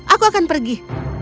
aku akan pergi